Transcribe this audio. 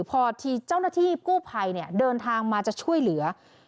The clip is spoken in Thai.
พอทีเจ้าหน้าที่กู้ภัยเดินทางมาจะช่วยเหลือ